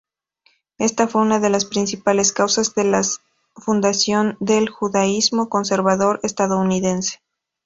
Esta fue una de las principales causas de la fundación del judaísmo conservador estadounidense.